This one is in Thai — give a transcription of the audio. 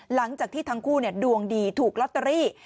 หลังจากที่ทั้งคู่ดวงดีถูกลอตเตอรี่